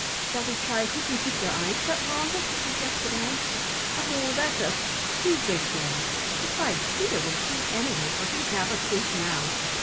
"Shall we try who can keep their eyes shut longest," suggested Ann. "Oh, that's a stupid game! Beside Peter would beat anyway, for he's half asleep now.